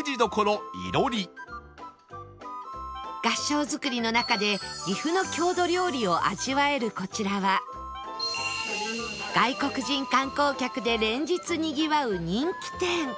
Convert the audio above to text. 合掌造りの中で岐阜の郷土料理を味わえるこちらは外国人観光客で連日にぎわう人気店